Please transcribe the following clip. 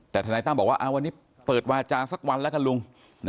แต่ทนายตั้มบอกว่าวันนี้เปิดวาจาสักวันแล้วกันลุง